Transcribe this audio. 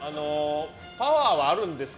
パワーはあるんですか？